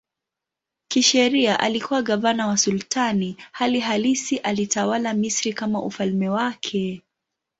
Kisheria alikuwa gavana wa sultani, hali halisi alitawala Misri kama ufalme wake.